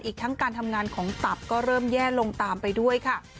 อีกทั้งการทำงานของตับก็เริ่มแย่ลงตามไปด้วยค่ะ